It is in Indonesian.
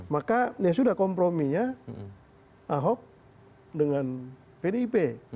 maka ya sudah komprominya ahok dengan pdip